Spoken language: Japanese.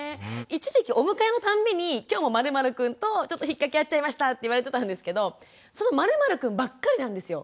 一時期お迎えのたんびに今日も○○くんとちょっとひっかき合っちゃいましたって言われてたんですけどその○○くんばっかりなんですよ。